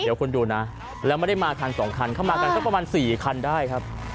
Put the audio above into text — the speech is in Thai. เดี๋ยวคุณดูนะแล้วไม่ได้มาคันสองคันเข้ามากันสักประมาณ๔คันได้ครับ